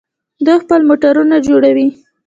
دوی خپل موټرونه جوړوي.